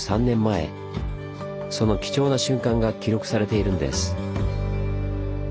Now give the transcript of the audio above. その貴重な瞬間が記録されているんです。